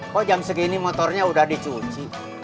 kok jam segini motornya udah dicuci